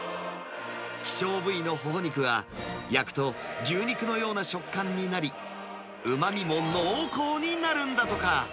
希少部位のホホ肉は、焼くと牛肉のような食感になり、うまみも濃厚になるんだとか。